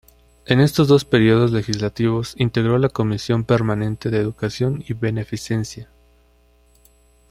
En estos dos períodos legislativos integró la Comisión permanente de Educación y Beneficencia.